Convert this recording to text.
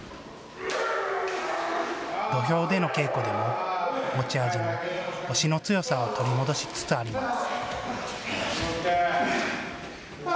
土俵での稽古でも持ち味の押しの強さを取り戻しつつあります。